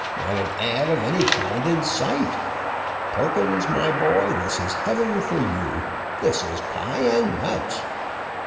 Not an 'ad.' of any kind in sight! Perkins, my boy, this is heaven for you! This is pie and nuts!"